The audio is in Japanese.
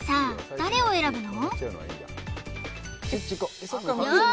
誰を選ぶの？